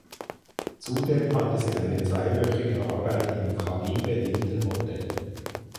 Zudem hatte sie eine zweiwöchige Arbeit im Caribe Hilton Hotel.